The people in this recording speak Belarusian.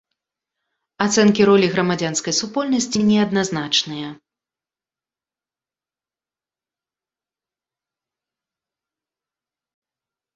Ацэнкі ролі грамадзянскай супольнасці неадназначныя.